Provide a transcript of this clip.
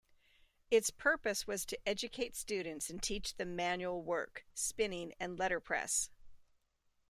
Its purpose was to educate students and teach them manual work: spinning, and letterpress.